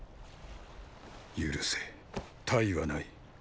許せ他意はない。